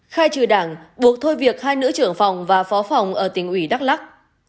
khai trừ đảng buộc thôi việc hai nữ trưởng phòng và phó phòng ở tỉnh ủy đắk lắc